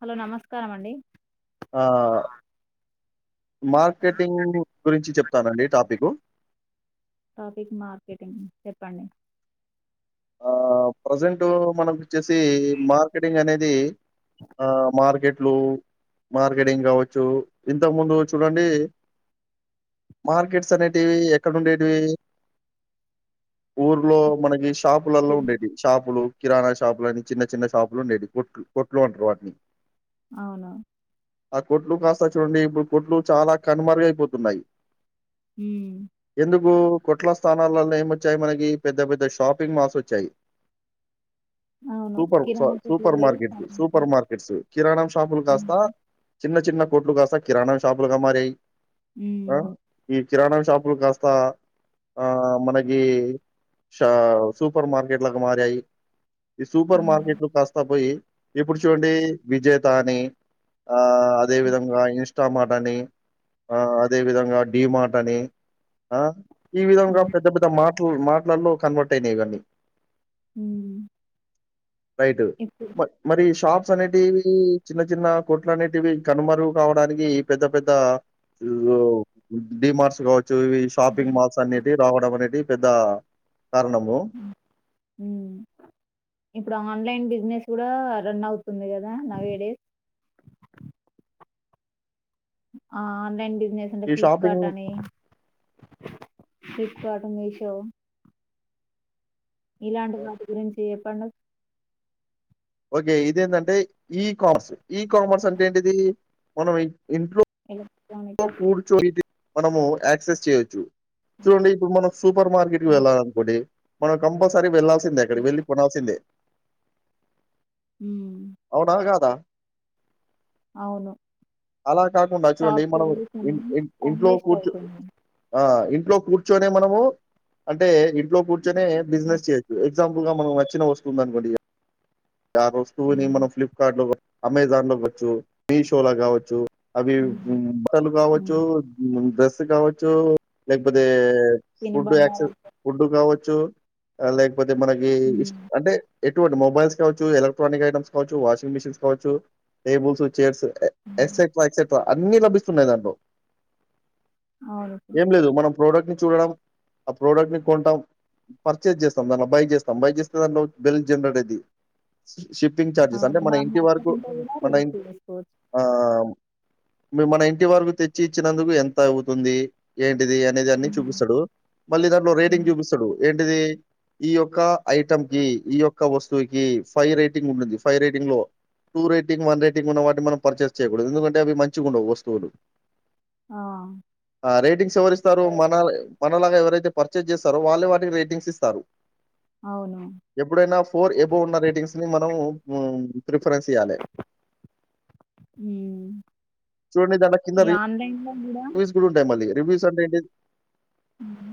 Hello నమస్కారం అండి ఆ మార్కెటింగు గురించి చెప్తానండి టాపికు టాపిక్ మార్కెటింగ్ చెప్పండి ఆ ప్రజెంట్ మనకు వచ్చేసి మార్కెటింగ్ అనేది ఆ మార్కెట్లు మార్కెటింగ్ కావచ్చు ఇంతకు ముందు చూడండి మార్కెట్స్ అనేటివి ఎక్కడ ఉండేటివి ఊర్లో మనకి ష్ లలో కిరా- ఉండేది చాపు లు కిరాణా షాపులు అని చిన్న చిన్న షాపులు ఉండేటివి కొట్లు అంటారు వాటిని అవును ఆ కొట్లు కాస్త చూడండి ఇప్పుడు కొట్లు చాలా కనుమరుగ అయిపోతున్నాయి హ కొట్ల స్థానాల ఏమొచ్చాయి మనకి పెద్ద పెద్ద షాప్ షాపింగ్ మాల్స్ వచ్చాయి అవును సూపర్ కిరాణా కొట్లు సూపర్ పోయి మార్కెట్స్ షాపింగ్ చేస్తాం సూపర్ మార్కెట్స్ కిరాణా షాపులు కాస్తా చిన్న చిన్న కోట్లు కాస్త కిరాణా షాపులుగా మారాయి అ కిరాణా షాపులు కాస్త ఆ మనకి ష సూపర్ మార్కెట్లక్క మారాయి ఈ సూపర్ ఉమ్, మార్కెట్లు కాస్తా పోయి ఇప్పుడు చూడండి విజేతా అని ఆ అదే విధంగా ఇంస్టామర్ట్ అని ఆ అదే విధంగా డి మాార్ట్ అని ఆ ఈ విధంగా ఉమ్, పెద్ద పెద్ద మాటలు మాట కన్వర్ట్ అయినాయి కదా అ అ రైట్ మరి షాప్ అనేటివి చిన్న చిన్న కొట్లు అనేటివి కనుమరుగు కావడానికి పెద్ద పెద్ద డిమార్స్ కావచ్చు చూవి షాపింగ్ మాల్స్ అనేటి రావడం అనేది పెద్ద కారణము ఇప్పుడు ఆన్లైన్ బిజినెస్ కూడా రన్ అవుతుంది కదా నవే డేస్ ఆ నండి ంటే ఈ షాపింగ్ ఫ్లిప్కార్ట్ అని ఫప్ పాట్ మీషో ఇలాంటి వాటి గురించి చెప్పండి ఓకే ఇదిేంటంటే ఈ కామర్స్ ఈ కామర్స్ అంటే ఏంటిది మనం ఇంట్లో ఎలక్ట్రానిక్ కూర్ చో మనము క్సెస్ చేయొచ్చు చూడండి ఇప్పుడు మనం సూపర్ మార్కెట్కి ఆ, వెళ్ళాల అనుకోండి మన కంపల్సరీ వెళ్ళ అక్కడికి వెళ్లి కొనాల్సిందే ఉమ్, అవునా కాదా అవును అలా కాకుండా చూడండి షాప్కి మనం వెళ్ళి ఇం కొనడం ఇం టైం ఇంట్లో వేస్ట్ కూర్చ అవుతుంది ఇంట్లో కూర్చొనే మనము అంటే ఇంట్లో కూర్చ కూర్చుని బిజినెస్ చేయచ్చు ఎగ్జాంపుల్ గా మనకు నచ్చిన వస్తువు ఉందనుకోండి ఆ వస్తువుని ఉమ్, మనం ఫ్లిప్కార్ట్ లో అమెజాన్ లో కాచ్చు మీషోలో కావచ్చు అదవి ఉమ్. ఊ బట్టలు కావచ్చు ఉమ్, ఊ డ్రెస్ స్ కావచ్చు లేకపోతే ఫుడ్ తినుబండారం యాక్సెస్ ఫుడ్ కావచ్చు చూ అలై క్ లేక్పోతే మనకి ఇ ఉమ్, అంటే ఎటువంటి మొబైల్స్ కావచ్చు, ఎలక్ట్రానిక్ ఐటమ్స్ కావచ్చు, వాషింగ్ మిషన్స్ కావచ్చు, టేబుల్స్, చైర్స్, ఎక్సెట్రా ఎక్సెట్రా అన్ని లభిస్తున్నాయి దాంట్లో అవును సర్ ప్రోడక్ట్ ని చూడడం ఆ ప్రోడక్ట్ ని కొంటాం పర్చేస్ చేస్తాం దాన్ని బై చేస్తాం బై చేస్తే దాంట్లో బెల్ జనరేట్ అయిది షిప్పింగ్ చార్జెస్ అంటే అవును మన మనకు ఇంటి వరకు నచ్చకుంటే కూడా మన ఇన్ రిజెక్ట్ చేసుకోవచ్చు ఆ మన ఇంటి వరకు తెచ్చి ఇచ్చినందుకు ఎంత అవుతుంది ఏంట్ టీ అనేది అన్ని ఉమ్, చూపిస్తాడు మళ్ళి దాట్లో రేటింగ్ ఉమ్, చూపిస్తాడు ఏ ఇది ఈ యొక్క ఐటం కి ఈ యొక్క వస్తువుకి ఫైవ్ రేటింగ్ ఉంటుంది. ఫైవ్ రేటింగ్ లో టూ రేటింగ్, వన్ రేటింగ్, ఉన్న వాటిని మనం పరిచయం చేయకూడదు ఎందుకంటే అంటే అవి మంచిగుండవు వస్తువులు ఆ ఆ రేటింగ్స్ చ్చువరిస్తారు మనల్ మనలాగా ఎవరైతే పర్చేస్ చేస్తారో వాళ్ళ వాటికి రేటింగ్స్ ఇస్తారు. అవును ఫోర్ ఎబో ఉన్న రేటింగ్స్ ని మనం మ్ ఫ్రీఫరెన్స్ ఇయ్యలి. హ్మ్ చూడు దాంట్లో కింద ఈ [inaudible] ఆన్లైన్లో కూడా వుంటాయి [unintelligible] రివ్యూస్ అంటే ఏంటిది ఊహూ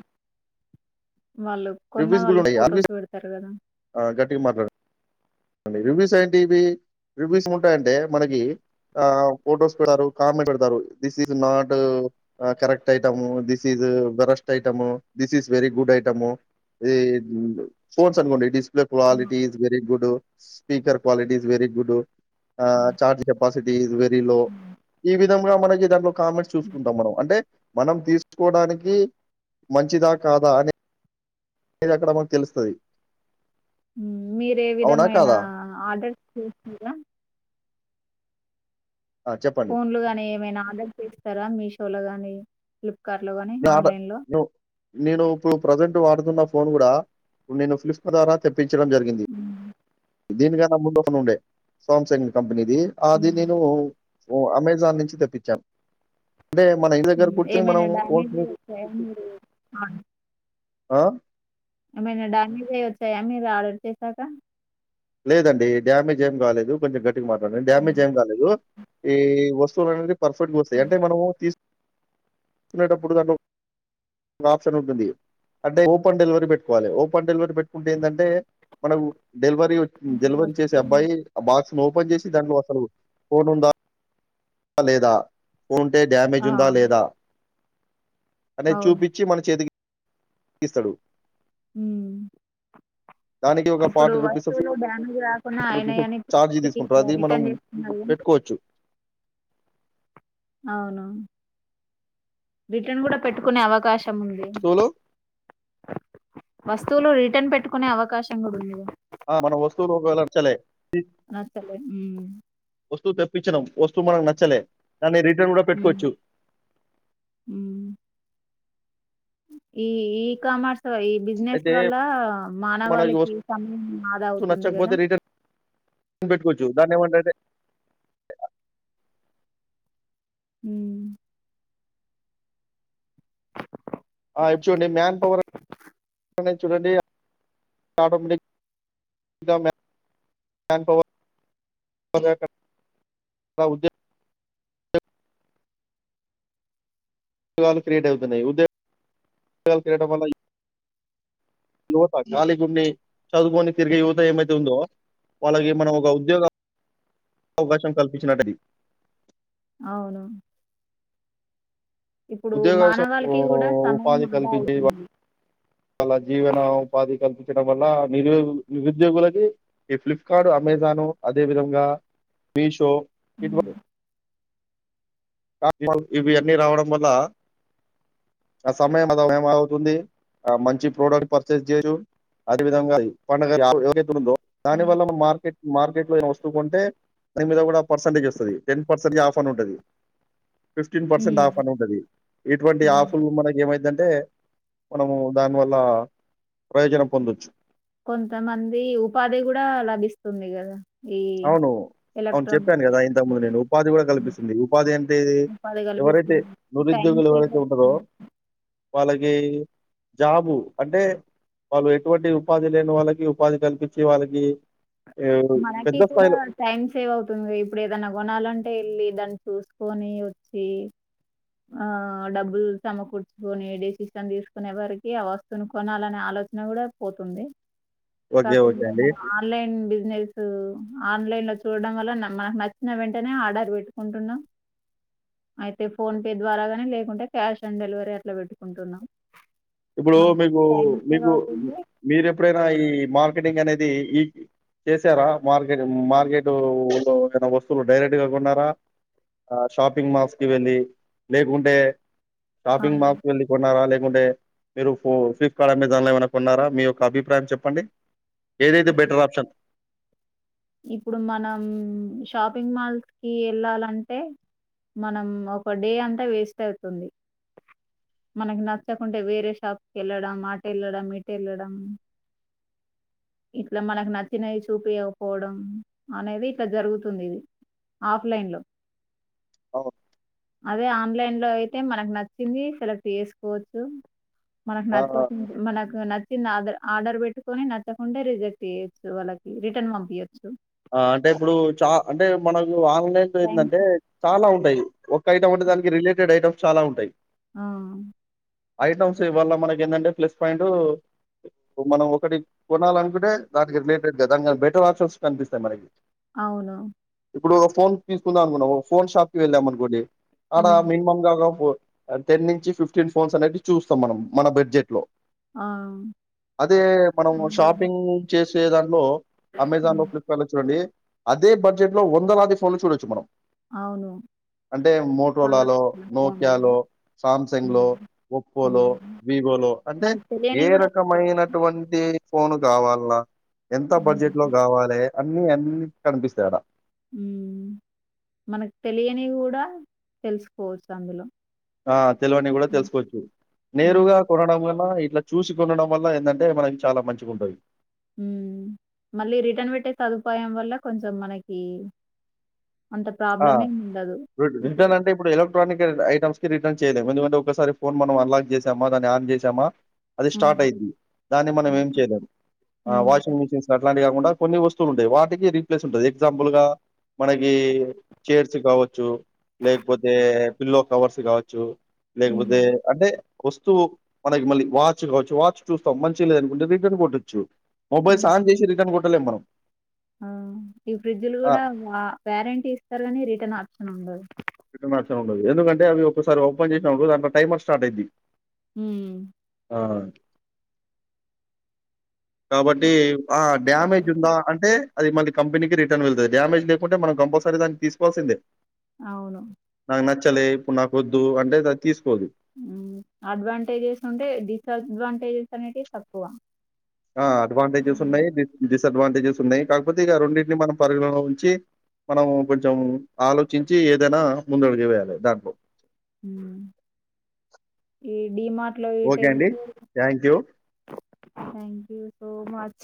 వాళ్ళు [inaudible] కొన్నా రివ్యూస్ వాళ్ళు ఫొటోస్ పెడతారు కదా టీం మాట్లాడ రివ్యూస్ ఏంటి ఇవి రివ్యూస్ ఉంటాయంటే మనకి ఆ ఫొటోస్ పెడతారు కామెంట్ పెడతారు this is not correct item this is worst item this is very good item ఇ ఫోన్స్ అనుకోండి display quality is very good speaker quality is very good ఆ charge capacity is very low ఈ విధంగా మనకి దాంట్లో comments చూసుకుంటాం మనం అంటే మనం తీసుకోవడానికి మంచిదా కాదా అనే [inaudible] ఏక్కడమో తెలుస్తాది ఉం మీరు ఏ విధమైన కాదా ఆర్డర్స్ చేస్తాడరా ఆ చెప్పండి ఫోన్లు గానే ఏమైనా ఆర్డర్ చేస్తారా మీ షో పొలగన్ని క్లిప్ప్ కార్ లో గాని నే ఆడ ఆన్లైన్ లో ను నేను ఇప్పుడు ప్రజెంట్ వాడుతున్న ఫోన్ కూడా నేను ఫ్లిప్క ద్వార తే పిచడం జరిగింది ఉమ్, దీనికన్నా ముందు ఉండే సాంసంగ్ కంపెనీ ఇదే అది ఉమ్, నేను ఓ అమెజాన్ నుంచి తెప్పించాను అంటే మన ఇంటి దగ్గర కూర్చొని ఏమైన మనం ఫోన్స్ డ్యామేజ్ ని లు వుంటే మీరు ఆ ఏమైనా డ్యామేజ్ ఐ వచ్చాయా మీరు ఆర్డర్ చేసాక లేదండి డ్యామేజ్ ఏం కాలేదు కొంచెం గట్టిగా మాట్లాడండి డ్యామేజ్ ఏం కాలేదు ఈ వస్తువులు అనేది పర్ఫెక్ట్ గా వస్తాయి అంటే మనం తీసుకునేటప్పుడు దా ఆప్షన్ ఉంటుంది అంటే ఓపెన్ డెలివరీ పెట్టుకోవాలి ఓపెన్ డెలివరీ పెట్టుకుంటే ఏందంటే మనకు డెలివరీ డెలివరీ చేసే ఉమ్, అబ్బాయి ఆ బాక్స్ అ ఓపెన్ చేసి దాంట్లో అసలు ఫోన్ ఉందా లేదా ఉంటే డ్యామేజ్ ఆ ఉందా లేదా అదే అవును చూపించి మన చేతికి ఇస్తాడు హ్మ్ దానికి ఒక ఇప్పుడు ఫార్టీ రూపీస్ వస్తువులు డ్యామేజ్ రాకుండా ఫిఫ్టీ అయినా రూపీస్ ఛార్జ్ అనిప్పి తీసుకుంటారు ఇలా అది మనం రిటర్న్ చేస్తున్నారు పెట్టుకోవచ్చు అవును రిటర్న్ కూడా పెట్టుకునే అవకాశం తోమీది వస్తువులు వస్తువులు రిటర్న్ పెట్టుకునే అవకాశం కూడాఉంది ఆ మన వస్తువులు ఒకవేళ నాచల అస్తలే హ్మ్ పిచ్చనం వస్తువు మనకు నచ్చలే దాన్ని రిటర్న్ కూడా ఉమ్ పెట్టుకోవచ్చు ఉమ్ ఈ ఈకామర్స్ సో ఈ బిజినెస్ అయితే వల్ల మనకి మానవాళికి సమయం ఆదా వస్తువు అవుతుంది కదా జుదానే మంటటే హ్మ్ ఆ ఇప్పుడు చూడండి మ్యాన్ పవర్ చూడండి ఆటోమేటిక్ దా మ్యాన్ పవర్ అ ఉద్యమ క్రియేట్ అవుతున్నాయి ఉద్యోగాలు క్రియేట్ అవ్వడం వల్ల యువత గాలి గుని చదువుకొని తిరిగే యువత ఏమైతే ఉందో వాళ్ళకి మనం ఒక ఉద్యోగ అవకాశం కల్పించినటుద అవును ఇప్పుడు ఉద్యోగ శ మానవాళికి కూడా సమయం ఉపాధి ఆదా కల్పించి అవుతుంది జీవన ఉపాధి కల్పించ డం వల్ల న నిరుద్యోగులకి ఈ ఫ్లిప్కర్ట్ అమెజాను అదే విధంగా మీషో ఇదివ ఉమ్ ఇవి అన్నీ రావడం వల్ల ఆ సమయం అద ఏమవుతుంది ఆ మంచి ప్రోడక్ట్ పర్చేస్ చేయ్యు అదే విధంగా పండగలు [unintelligible] దాని వల్ల మన మార్కెట్ మార్కెట్ లో ఏం వస్తువు కొంటే దాని మీద కూడా పర్సెంటేజ్ వస్తుంది టెన్ పర్సెంటేజ్ ఆఫ్ అని ఉంటది ఫిఫ్టీన్ పర్సెంట్ ఉమ్ ఆఫ్ అని ఉంటది ఇటువంటి ఉమ్. ఆఫ్లు మనకి ఏమైందంటే అంటే మనము దానివల్ల ప్రయోజనం పొందొచ్చు కొంతమంది ఉపాధి కూడా లభిస్తుంది కదా ఈ అవును అవును చెప్పాను ఎలక్ట్రానిక్ కదా ఇంతకుముందు నేను ఉపాధి కూడా కల్పిస్తుంది ఉపాధి అంటేది ఉపాధి ఎవరైతే కల్పిస్తుంది టైం నిరుద్యోగులు సేవ్ ఎవరైతే ఉంటారో అవుతుంది వాళ్ళకి జాబు అంటే వాళ్ళు ఎటువంటి ఉపాధి లేని వాళ్ళకి ఉపాధి కల్పించి వాళ్ళకి ఎవడు మనకి కూడా టైమ్ సేవ్ అవుతుంది ఇప్పుడు ఏదైనా కోనాలంటే వె దాన్ని చూసుకొని వచ్చి ఆ డబ్బులు సమకూర్చుకొని డెసిషన్ తీసుకునే వారికి ఆ వస్తువుని కొనాలనే ఆలోచన కూడా పోతుంది ఓకే. ఓకే కాకుండా అండి. మన ఆన్లైన్ బిజినెసు ఆన్లైన్ లో చూడడం వల్ల మనకు నచ్చిన వెంటనే ఆర్డర్ పెట్టుకుంటున్నాం అయితే ఫోన్ పే ద్వారా గాని లేకుంటే క్యాష్ ఆన్ డెలివరీ అట్లా పెట్టుకుంటున్నాం ఇప్పుడు మనకి మీకు టైం సేవ్ మీకు అవుతుంది మీరు ఎప్పుడైనా ఈ మార్కెటింగ్ అనేది చేసారా మార్కెట్ మార్కెట్ లో ఏ వస్తువులు డైరెక్ట్ గా కొన్నారా షాపింగ్ మాల్స్ కి వెళ్ళి లేకుంటే షాపిింగ్ మాల్స్ కు ఆ, వెళ్లి కొనాలి అప్పుడే మీరు పు ఫ్లిప్కార్డ్ అనే దాన్లో ఏమైనా కొన్నారా మీ యొక్క అభిప్రాయం చెప్పండి ఏదైతే బెటర్ ఆప్షన్ ఇప్పుడు మనం షాపింగ్ మాల్స్ కి వెళ్ళాలంటే మనం ఒక డే అంతా వేస్ట్ అవుతుంది మనకి నచ్చకుంటే వేరే షాప్కిి వెళ్ళడం ఆట వెళ్ళడం ఇటు వెళ్ళడం ఇట్లా మనకి నచ్చినవి చూపియవు పోవడం అనేది ఇట్లా జరుగుతుంది ఇది ఆఫ్లైన్ లో అవును. అదే ఆన్లైన్ లో అయితే మనకు నచ్చింది సెలెక్ట్ చేసుకోవచ్చు మనకు ఆ! నచ్చింది మనకు నచ్చింది ఆర్డర్ ఆర్డర్ పెట్టుకొని నచ్చకుంటే రిజెక్ట్ చేయొచ్చు వాళ్ళకి రిటర్న్ పం తీయొచ్చు ఆ అంటే ఇప్పుడు చా అంటే మనం ఆన్లైన్ లో టైం ఏంటంటే చాలా ఉ ఒక ఐటమ్ అంటే దానికి రిలేటెడ్ ఐటమ్స్ చాలా ఉంటాయి ఆ ఐటమ్స్ వల్ల మనకి ఏంటంటే ప్లస్ పాయింట్ మనం ఒకటి కొనాలినుకుంటే దానికి రిలేటెడ్ క దానిని బెటర్ ఆప్షన్స్ కనిపిస్తాయి మనకి అవును ఇప్పుడు ఒక ఫోన్ తీసుకుందాం అనుకున్నా ఒక ఫోన్ షాప్ కిళ్ళాం అనుకోండి ఆడా హ్మ్. మినిమం కాక పో టెన్ నుంచి ఫిఫ్టీన్ ఫోన్స్ అనేటివి చూస్తాం మనం మన బడ్జెట్ లో ఆ! అదే మనం అవును. షాపింగ్ చేసి దాంట్లో అమెజాన్ హ్మ్. లో చూడండి అదే బడ్జెట్ లో వందలాది ఫోన్లు చూడొచ్చు మనం అవును. అంటే చాలా మోటోలాలో చాలా ఫోన్లు. నోకియాలో సామ్సంగ్ హ్మ్. లో ఒప్పోలో హ్మ్. వివోలో అంటే మనకు ఏ తెలియనివి గూడా రకమైనటువంటి ఫోను కావల్నా ఎంత హ్మ్. బడ్జెట్ లో కావాలి అన్ని అన్ని కనిపిస్తాయి ఆడా మనకు తెలియని కూడా తెలుసుకోవచ్చు అందులో ఆ తెలివని కూడా హ్మ్. తెలుసుకోవచ్చు హ్మ్. నేరుగా కొనడం వల్ల ఇట్లా చూసి కొనడం వల్ల ఏందంటే మనకి చాలా మంచిగా ఉంటుంది ఉమ్ మళ్ళీ రిటర్న్ పెట్టే సదుపాయం వల్ల కొంచెం మనకి అంత ఆ ప్రాబ్లమ్ ఏమి ఉండదు. రిటర్న్ అంటే ఇప్పుడు ఎలక్ట్రానిక్ ఐటమ్స్ కి రిటర్న్ చేయలేం ఎందుకంటే ఒకసారి ఫోన్ మనం అన్లాక్ చేసామా దాన్ని ఆన్ చేసామా అది హ్మ్. స్టార్ట్ అయిద్ది దాన్ని మనం ఏం చేయలేం ఆ హ్మ్. వాషింగ్ మిషిన్స్ అట్లాంటి కుండా కొన్ని వస్తువులు ఉంటాయి వాటికి రీప్లేస్ ఉంటుంది ఎగ్జాంపుల్ గా మనకి చైర్స్ కావచ్చు లేకపోతే పిల్లో కవర్స్ కావచ్చు లేకపోతే హ్మ్. అంటే వస్తువు మనకి మళ్ళీ వాచ్ లు కావచ్చు వాచ్ చూస్తాం మంచిగ లేద అనుకుంటే రిటర్న్ కొట్టొచ్చు మొబైల్స్న్ హ్మ్. ఆన్ చేసి రిటర్న్ కొ ట్టలేం మనం ఆ ఈ ఫ్రిడ్జ్లు ఆ! కూడా వా వ్యారెంటీ ఇస్తారు కాని రి టర్న్ ఆప్షన్ ఉండదు రిటర్న్ ఆప్షన్ ఉండదు ఎందుకంటే అవి ఒకసారి ఓపెన్ చేసినప్పుడు దాంట్లో టైమర్ స్టార్ట్ అయిద్ది ఉమ్ ఆ కాబట్టి ఆ కొన్ని డ్యామేజ్ ఉందా బెనిఫిట్స్ అంటే అది మళ్ళీ కంపెనీకి రిటర్న్ వెళ్తుంది డామజ్ లేకుంట మనం కంపల్సరీ తీసుకోవాల్సిందే అవును నాకు నచ్చలే ఇప్పుడు నాకు వద్దు అంటే తీసుకు ఉమ్ అడ్వాంటేజెస్ ఉంటే డిస్ అడ్వాంటేజెస్ ఉన్నటివి తక్కువ ఆ అడ్వాంటేజెస్ ఉన్నాయి డిస్ అడ్వాంటేజెస్ ఉన్నాయి కాకపోతే ఇక రెండింటిని మనం పరిగణలో ఉంచి మనం కొంచెం ఆలోచించి ఏదైనా ముందడుగే వేయాలి దాంట్లో ఉమ్. ఈ డిమార్ట్ లో ఓకే అండి. Thank you. Thank you so much